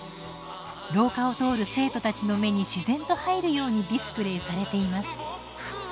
廊下を通る生徒たちの目に自然と入るようにディスプレーされています。